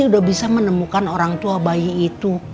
sudah bisa menemukan orang tua bayi itu